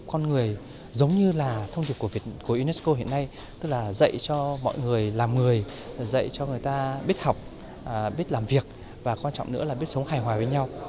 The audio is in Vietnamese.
con người giống như là thông điệp của unesco hiện nay tức là dạy cho mọi người làm người dạy cho người ta biết học biết làm việc và quan trọng nữa là biết sống hài hòa với nhau